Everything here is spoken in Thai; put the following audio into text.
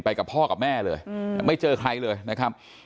กับพ่อกับแม่เลยไม่เจอใครเลยนะครับ